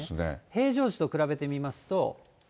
平常時と比べてみますと。